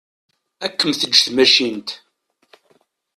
Ad kem-teǧǧ tmacint.